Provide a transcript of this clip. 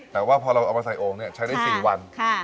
แต่ว่าพอเราเอามาใส่โอ่งใช้ได้๔วัน